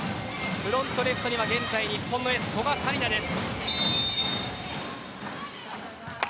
フロントレフトには日本のエース古賀紗理那です。